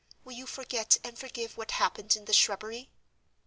Will you forget and forgive what happened in the shrubbery?"